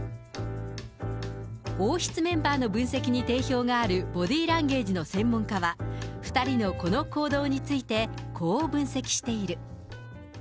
王室メンバーの分析に定評がある、ボディーランゲージの専門家は、２人のこの行動について、こう分析している。